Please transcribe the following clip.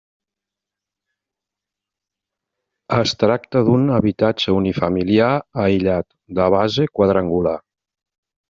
Es tracta d'un habitatge unifamiliar aïllat, de base quadrangular.